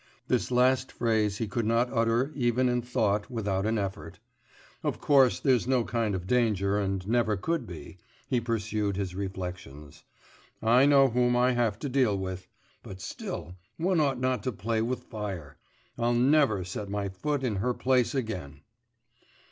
This last phrase he could not utter even in thought without an effort.... 'Of course, there's no kind of danger, and never could be,' he pursued his reflections. 'I know whom I have to deal with. But still one ought not to play with fire.... I'll never set my foot in her place again.